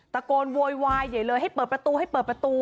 โวยวายใหญ่เลยให้เปิดประตูให้เปิดประตู